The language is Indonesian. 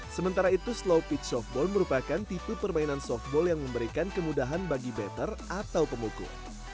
sementara itu slow pitch softball merupakan tipe permainan softball yang memberikan kemudahan bagi batter atau pemukul